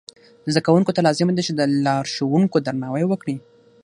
زده کوونکو ته لازمه ده چې د لارښوونکو درناوی وکړي.